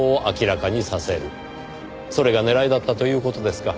それが狙いだったという事ですか。